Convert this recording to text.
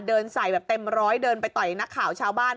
เดินใส่แบบเต็มร้อยเดินไปต่อยนักข่าวชาวบ้าน